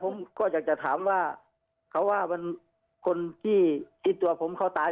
ผมอยากจะถามว่าผมไม่ได้ฟ้องเอากับคนตาย